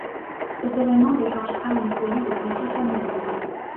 Cet évènement déclenchera une série de conflits familiaux.